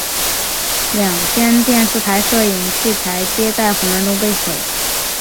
两间电视台摄影器材皆在混乱中被毁。